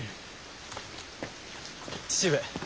父上。